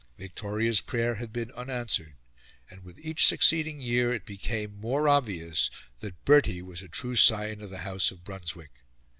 Victoria's prayer had been unanswered, and with each succeeding year it became more obvious that Bertie was a true scion of the House of Brunswick.